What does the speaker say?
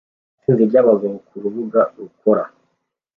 Itsinda ryabagabo kurubuga rukora